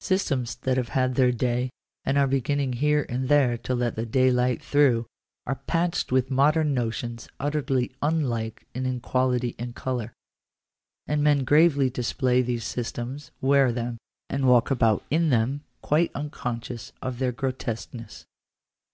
Systems that have had their day, and are beginning here and there to let the daylight through, are patched with modern notions utterly unlike in quality and colour ; and men gravely display these systems, wear them, and walk about in them, quite unconscious of their grotesqueness.